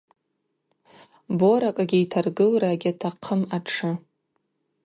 Боракӏгьи йтаргылра гьатахъым атшы.